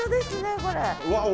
これ。